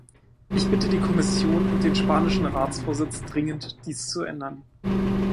Ich bitte die Kommission und den spanischen Ratsvorsitz dringend, dies zu ändern.